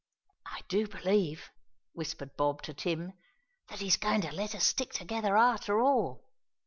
"I do believe," whispered Bob to Tim, "that he's goin' to let us stick together after all."